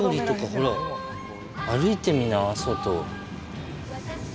ほら歩いてみな。